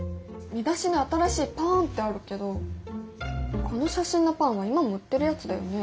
見出しの「新しいパーーーン」ってあるけどこの写真のパンは今も売ってるやつだよね？